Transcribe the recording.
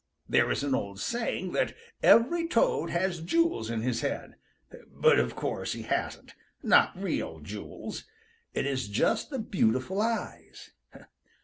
There is an old saying that every Toad has jewels in his head, but of course he hasn't, not real jewels. It is just the beautiful eyes.